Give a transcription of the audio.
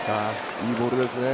いいボールですね。